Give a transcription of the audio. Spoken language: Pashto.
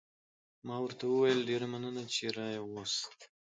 ما ورته وویل: ډېره مننه، چې را يې وست.